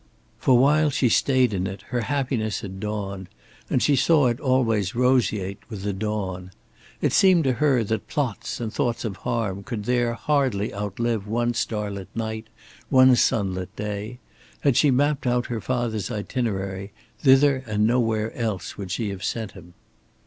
For while she stayed in it her happiness had dawned and she saw it always roseate with that dawn. It seemed to her that plots and thoughts of harm could there hardly outlive one starlit night, one sunlit day. Had she mapped out her father's itinerary, thither and nowhere else would she have sent him.